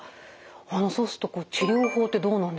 そうすると治療法ってどうなんでしょうか？